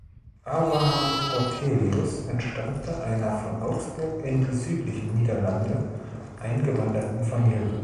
Abraham Ortelius entstammte einer von Augsburg in die südlichen Niederlande eingewanderten Familie.